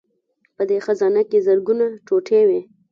په دې خزانه کې زرګونه ټوټې وې